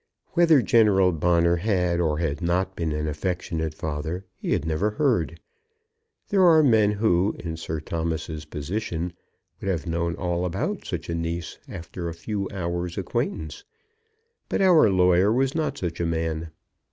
Whether General Bonner had or had not been an affectionate father he had never heard. There are men who, in Sir Thomas's position, would have known all about such a niece after a few hours' acquaintance; but our lawyer was not such a man.